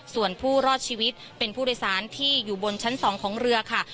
ส่วนผู้รอดชีวิตเป็นผู้โดยสารที่อยู่บนชั้น๒ของเรือค่ะ